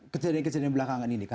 kejadian kejadian belakangan ini